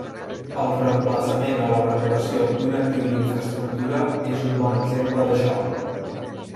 El reemplaçament o la renovació d'un actiu d'infraestructura és un bon exemple d'això.